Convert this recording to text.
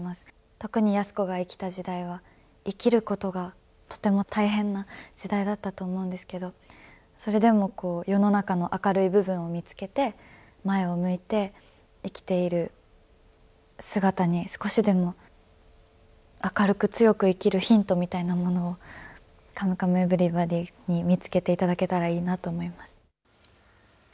特に安子が生きた時代は、生きることがとても大変な時代だったと思うんですけど、それでも世の中の明るい部分を見つけて、前を向いて生きている姿に、少しでも明るく強く生きるヒントみたいなものを、カムカムエヴリバディに見つけていただけたらいいなと思います。